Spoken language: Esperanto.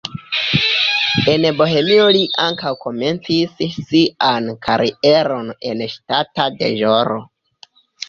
En Bohemio li ankaŭ komencis sian karieron en ŝtata deĵoro.